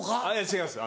違います